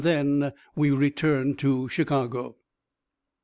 Then we returned to Chicago.